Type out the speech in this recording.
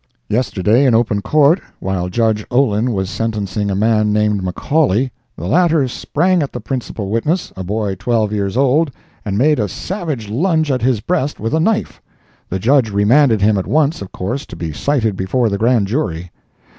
Yesterday, in open Court, while Judge Olin was sentencing a man named McCauley, the latter sprang at the principal witness, a boy twelve years old, and made a savage lunge at his breast with a knife. The Judge remanded him at once, of course, to be cited before the Grand Jury.